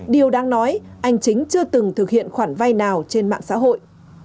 điều đang nói anh chính chưa từng thực hiện khoản vay nào trên mạng xã hội